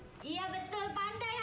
iya betul pandai hati